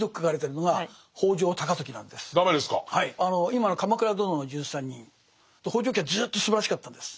今の「鎌倉殿の１３人」北条家はずっとすばらしかったんです。